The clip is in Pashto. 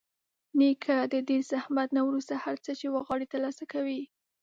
نیکه د ډېر زحمت نه وروسته هر څه چې غواړي ترلاسه کوي.